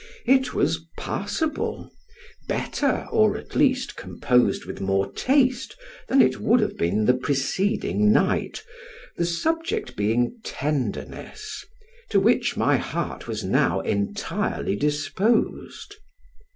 It was passable; better, or at least composed with more taste than it would have been the preceding night, the subject being tenderness, to which my heart was now entirely disposed.